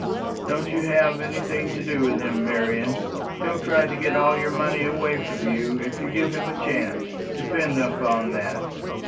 Don't you have anything to do with him, Marian. He'll try to get all your money away from you, if you give him a chance depend upon that."